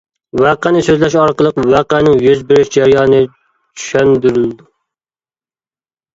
ۋەقەنى سۆزلەش ئارقىلىق ۋەقەنىڭ يۈز بېرىش جەريانى چۈشەندۈرۈلىدۇ.